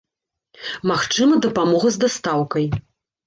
Магчыма дапамога з дастаўкай.